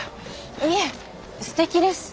いえすてきです。